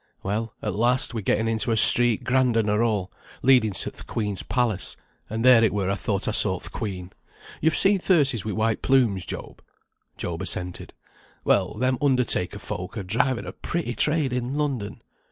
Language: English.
Well, at last we getten into a street grander nor all, leading to th' Queen's palace, and there it were I thought I saw th' Queen. Yo've seen th' hearses wi' white plumes, Job?" Job assented. "Well, them undertaker folk are driving a pretty trade in London.